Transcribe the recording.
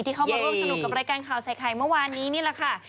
เข้ามาร่วมสนุกกับรายการข่าวใส่ไข่เมื่อวานนี้นี่แหละค่ะ